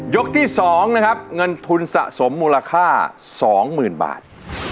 ยกที่สองนะครับเงินทุนสะสมมูลค่าสองหมื่นบาท